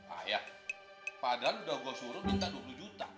ayah padahal udah gua suruh minta dua puluh juta